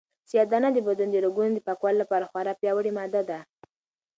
سیاه دانه د بدن د رګونو د پاکوالي لپاره خورا پیاوړې ماده ده.